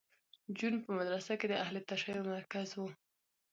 جون په مدرسه کې د اهل تشیع مرکز و